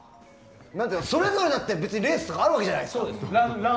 それぞれだって別にレースとかあるわけじゃないですか。